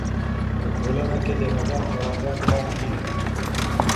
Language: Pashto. په ټولنه کي د نظر خاوندان کم دي.